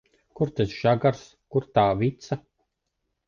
Kur tas žagars, kur tā vica?